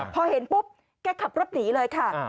พอเห็นปุ๊บแกขับรถหนีเลยค่ะ